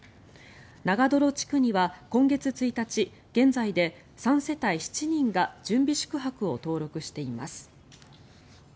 長泥地区には今月１日現在で３世帯７人が準備宿泊を登録しています。